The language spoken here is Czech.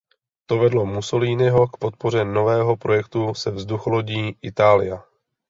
To vedlo Mussoliniho k podpoře nového projektu se vzducholodí Italia.